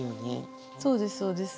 そうですそうです。